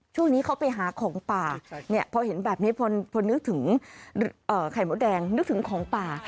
ช่วงนี้เขาไปหาของป่าเนี่ยพอเห็นแบบนี้พอนึกถึงไข่มดแดงนึกถึงของป่า